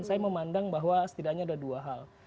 saya memandang bahwa setidaknya ada dua hal